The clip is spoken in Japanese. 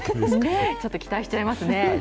ちょっと期待しちゃいますね。